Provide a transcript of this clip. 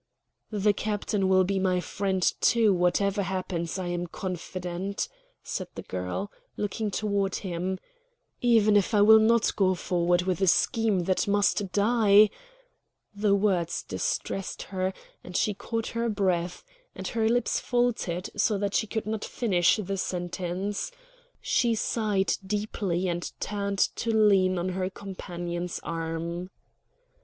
"The captain will be my friend, too, whatever happens, I am confident," said the girl, looking toward him; "even if I will not go forward with a scheme that must die " The word distressed her, and she caught her breath, and her lips faltered so that she could not finish the sentence. She sighed deeply and turned to lean on her companion's arm again.